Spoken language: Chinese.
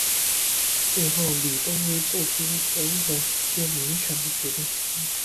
最后李登辉做出总统直接民选的决定。